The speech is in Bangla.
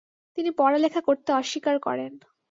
তিনি পড়ালেখা করতে অস্বীকার করেন।